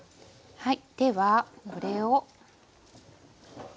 はい。